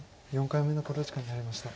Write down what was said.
４回目の考慮時間に入りました。